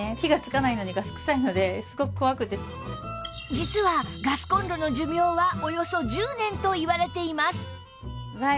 実はガスコンロの寿命はおよそ１０年といわれています